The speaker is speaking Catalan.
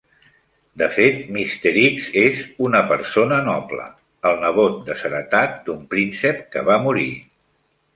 De fet, "Mister X" és una persona noble, el nebot desheretat d'un príncep que va morir.